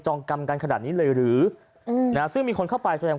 องกรรมกันขนาดนี้เลยหรืออืมนะซึ่งมีคนเข้าไปแสดง